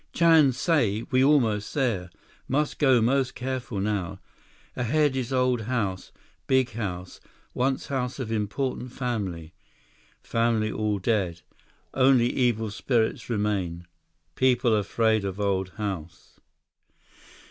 "Chan say we almost there. Must go most careful now. Ahead is old house, big house, once house of important family. Family all dead. Only evil spirits remain. People afraid of old house."